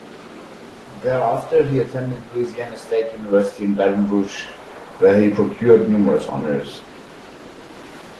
Thereafter, he attended Louisiana State University in Baton Rouge, where he procured numerous honors.